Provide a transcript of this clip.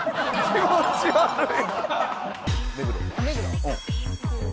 気持ち悪い。